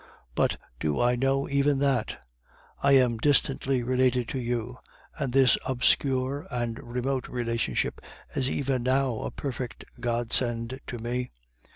"But do I know even that? I am distantly related to you, and this obscure and remote relationship is even now a perfect godsend to me.